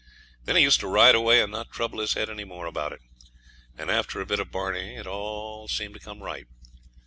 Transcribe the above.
Then he used to ride away and not trouble his head any more about it; and after a bit of barneying it all seemed to come right.